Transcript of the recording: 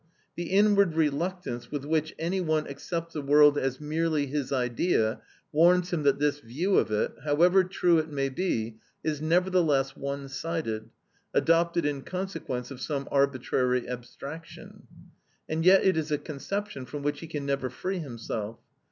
The inward reluctance with which any one accepts the world as merely his idea, warns him that this view of it, however true it may be, is nevertheless one sided, adopted in consequence of some arbitrary abstraction. And yet it is a conception from which he can never free himself.